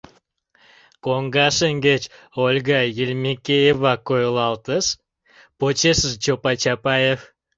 Коҥга шеҥгеч Ольга Ельмекеева койылалтыш, почешыже — Чопай Чапаев.